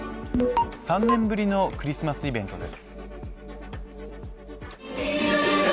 ３年ぶりのクリスマスイベントです。